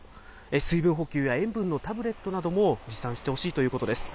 水分補給や塩分のタブレットなども持参してほしいということです。